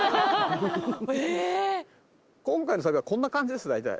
今回の旅はこんな感じです大体。